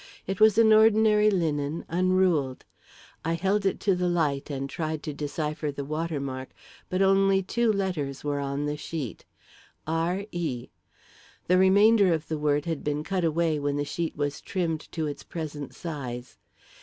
It was an ordinary linen, unruled. I held it to the light and tried to decipher the watermark, but only two letters were on the sheet, "Re." The remainder of the word had been cut away when the sheet was trimmed to its present size.